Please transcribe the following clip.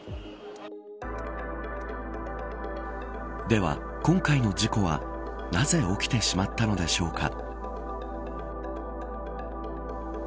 では、今回の事故はなぜ起きてしまったのでしょうか。